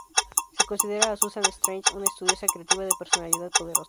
Se considera a Susan Strange una estudiosa creativa de personalidad poderosa.